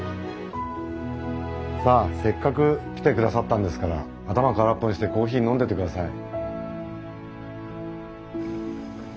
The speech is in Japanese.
さあせっかく来てくださったんですから頭空っぽにしてコーヒー飲んでってください。